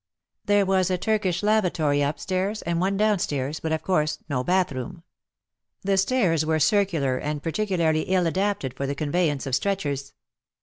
There was a Turkish lavatory upstairs, and one downstairs, but of course no bathroom. The stairs were circular, and particularly ill adapted for the conveyance of stretchers.